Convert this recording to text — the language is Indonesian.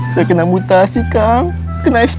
saya kena mutasi kang kena sp